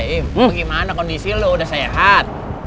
eh bu gimana kondisi lu udah sehat